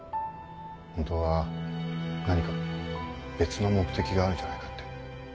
本当は何か別の目的があるんじゃないかって。